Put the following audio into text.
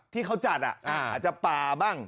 ที่เขาจัดผ่าบาง